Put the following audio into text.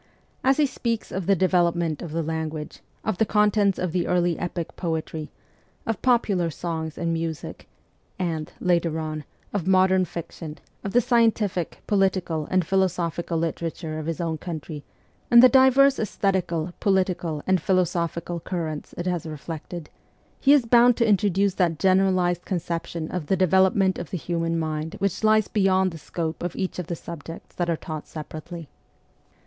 As he speaks of the development of the language, of the contents of the early epic poetry, of popular songs and music, and, later on, of modern fiction, of the scientific, political, and philosophical literature of his own country, and the divers eesthetical, political, and philosophical currents it has reflected, he is bound to introduce that generalized conception of the development of the human mind which lies beyond the scope of each of the subjects that are taught separately.